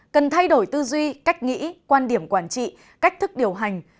cần thay đổi tư duy cách nghĩ quan điểm quản trị cách thức điều hành